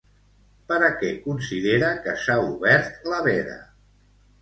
Per a què considera que s'ha obert la veda?